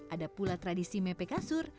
ada pula tradisi mepe kasur